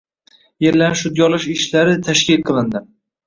yerlarni shudgorlash ishlari tashkil qilindi